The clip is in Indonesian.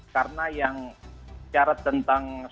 karena yang syarat tentang soal